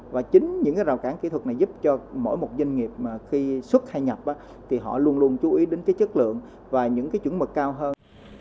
và chính những rào cản kỹ thuật này giúp cho mỗi một doanh nghiệp khi xuất hay nhập họ luôn luôn chú ý đến chất lượng và những chuẩn mực cao hơn